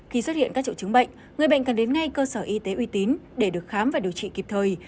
khi xuất hiện các triệu chứng bệnh người bệnh cần đến ngay cơ sở y tế uy tín để được khám và điều trị kịp thời